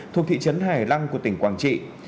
thuộc thị trấn hải lăng của tỉnh quảng trị